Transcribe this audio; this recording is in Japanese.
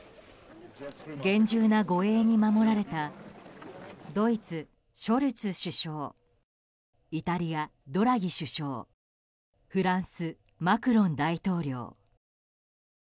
厳重な護衛に守られたドイツ、ショルツ首相イタリア、ドラギ首相フランス、マクロン大統領。